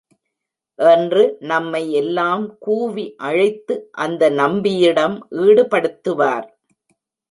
என்று நம்மை எல்லாம் கூவி அழைத்து அந்த நம்பியிடம் ஈடுபடுத்துவார்.